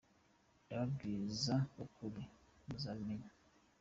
Ndababwiza ukuri muzabimenya